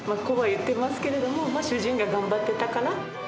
こうは言ってますけれども、主人が頑張ってたから。